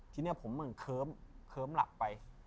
ทีนี้ผมเหมือนเคิ้มเคิ้มหลับไป